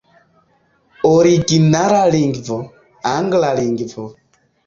Originala lingvo: angla lingvo.